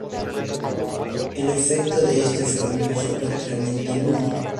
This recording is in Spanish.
El efecto de este fenómeno fue prácticamente nulo.